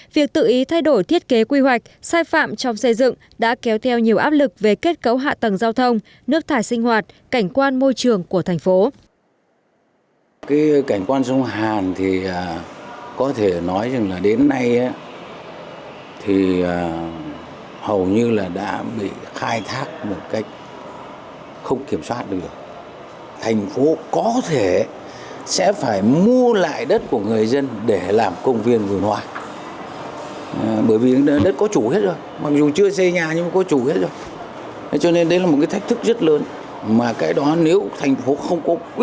việc tự ý thay đổi thiết kế quy hoạch sai phạm trong xây dựng đã kéo theo nhiều áp lực về kết cấu hạ tầng giao thông nước thải sinh hoạt cảnh quan môi trường của thành phố